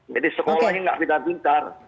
jadi sekolahnya tidak bisa pintar